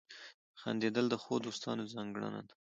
• خندېدل د ښو دوستانو ځانګړنه ده.